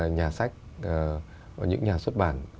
nhà sách những nhà xuất bản